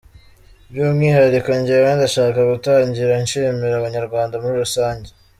By’umwihariko njyewe ndashaka gutangira nshimira Abanyarwanda muri rusange.